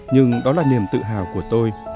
nhưng đó là niềm tự hào của tôi